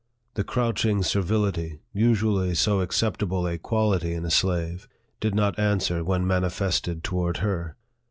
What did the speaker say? The crouching servility, usually so acceptable a quality in a slave, did not answer when manifested toward her.